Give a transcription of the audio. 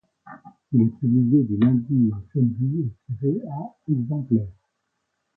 Il est publié du lundi au samedi et tiré à exemplaires.